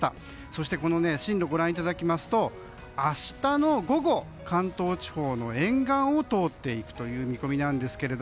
そして進路をご覧いただくと明日の午後、関東地方の沿岸を通っていくという見込みです。